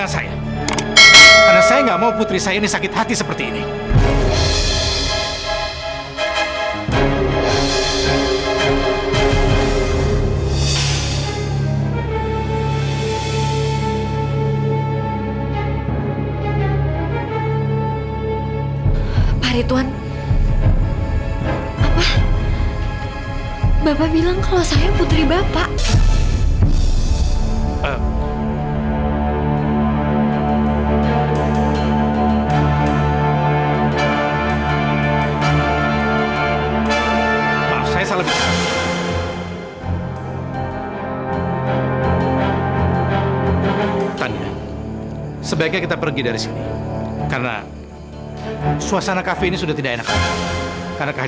sampai jumpa di video selanjutnya